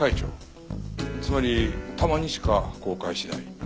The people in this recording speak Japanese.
つまりたまにしか公開しない。